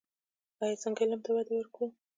آیا چې څنګه علم ته وده ورکړو؟